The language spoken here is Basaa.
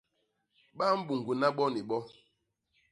Ba mbuñgna bo ni bo.